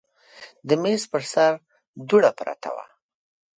د میز پر سر دوړه پرته وه.